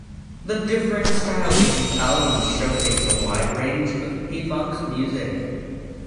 The differing styles of these albums showcase the wide range of P-Funk's music.